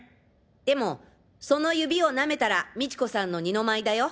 でもその指を舐めたら美知子さんの二の舞だよ。